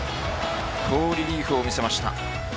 好リリーフを見せました。